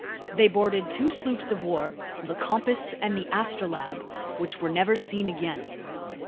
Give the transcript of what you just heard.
They boarded two sloops of war, the Compass and the Astrolabe, which were never seen again.